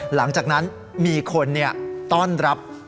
หลังจากนั้นมีคนต้อนรับ